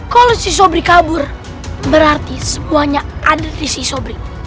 kalau si sobri kabur berarti semuanya ada di sisobri